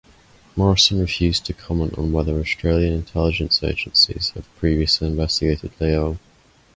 Morrison refused to comment on whether Australian intelligence agencies have previously investigated Liu.